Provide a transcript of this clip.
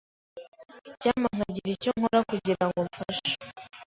Icyampa nkagira icyo nkora kugirango mfashe.